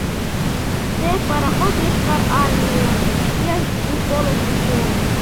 Ты пароход Йошкар Армийлан пеш кугу полышым пуыш.